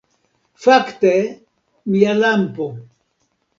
Fakte, mia lampo